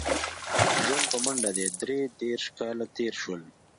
ژوند په منډه دی درې دېرش کاله تېر شول.